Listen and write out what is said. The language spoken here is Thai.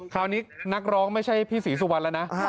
นักร้องไม่ใช่พี่ศรีสุวรรณแล้วนะ